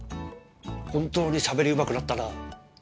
本当にしゃべりうまくなったな。